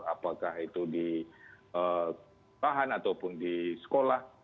apakah itu di lahan ataupun di sekolah